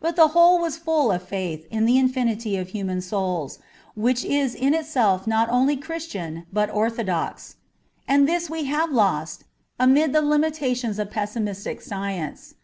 But the whole was full of faith in the infinity of human souls, which is in itself not only Christian but orthodox ; and this we have lost amid the limitations of pessimistic science.